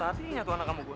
apaan tuh anak madu gue